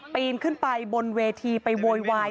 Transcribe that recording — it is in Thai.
ปีนขึ้นไปบนเวทีไปโวยวาย